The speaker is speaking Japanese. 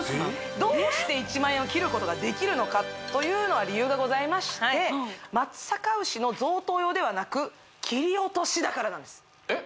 どうして１万円を切ることができるのかというのは理由がございまして松阪牛の贈答用ではなくえっ？